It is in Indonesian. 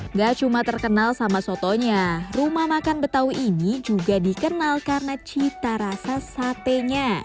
nggak cuma terkenal sama sotonya rumah makan betawi ini juga dikenal karena cita rasa satenya